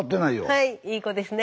はいいい子ですね。